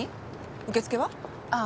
受付は？ああ。